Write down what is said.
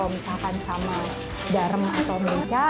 misalkan sama garam atau merica